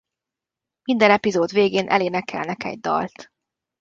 Minden epizód végén elénekelnek egy dalt.